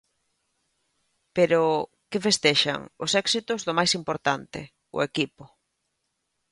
Pero que festexan os éxitos do máis importante, o equipo.